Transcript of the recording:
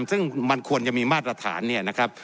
ซึ่งมันควรจะมีมาตรฐานเนี่ยนะครับ